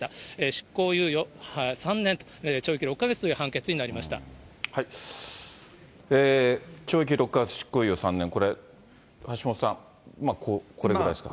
執行猶予３年、懲役６か月という懲役６か月、執行猶予３年、これ、橋下さん、これぐらいですか。